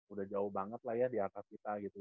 udah jauh banget lah ya di akat kita gitu